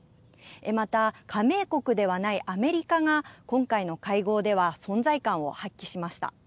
また、加盟国ではないアメリカが今回の会合では、存在感を発揮しました。